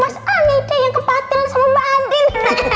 mas al nede yang kepatel sama mbak andin